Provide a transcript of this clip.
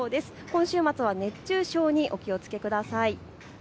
今週末は熱中症にお気をつけください。